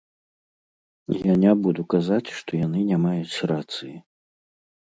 Я не буду казаць, што яны не маюць рацыі.